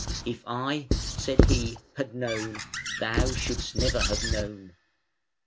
If I, said he, had known, thou shouldest never have known."